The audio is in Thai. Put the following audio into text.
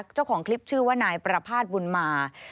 เจ้าของคลิปชื่อว่านายประภาษณ์บุญมา